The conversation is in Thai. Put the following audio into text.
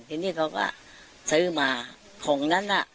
ทีนี้เขาก็ซื้อมาของนั้นน่ะ